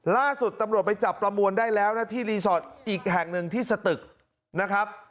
ล่าสุดตำรวจไปจับประมวลได้แล้วนะที่รีสอร์ทอีกแห่งหนึ่งที่สตึกนะครับ